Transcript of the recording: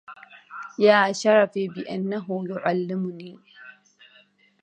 يا شرفي بأنه يعلمني